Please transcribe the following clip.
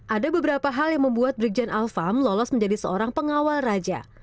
ada beberapa hal yang membuat brigjen alfam lolos menjadi seorang pengawal raja